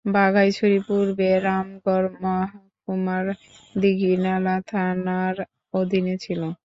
বাঘাইছড়ি পূর্বে রামগড় মহকুমার দীঘিনালা থানার অধীনে ছিল।